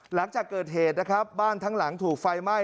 หลังจากเกิดเหตุนะครับบ้านทั้งหลังถูกไฟไหม้